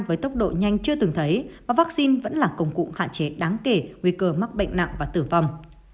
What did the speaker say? với tốc độ nhanh chưa từng thấy và vaccine vẫn là công cụ hạn chế đáng kể nguy cơ mắc bệnh nặng và tử vong